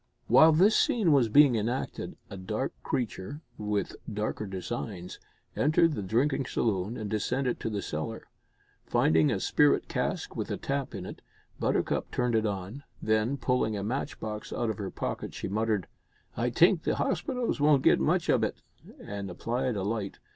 While this scene was being enacted a dark creature, with darker designs, entered the drinking saloon and descended to the cellar. Finding a spirit cask with a tap in it, Buttercup turned it on, then, pulling a match box out of her pocket she muttered, "I t'ink de hospitals won't git much ob it!" and applied a light.